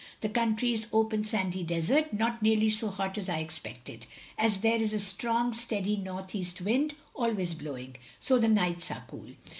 The country is open sandy desert, not nearly so hot as I expected, as there is a strong steady N. E. wind always blowing, so the nights are cool.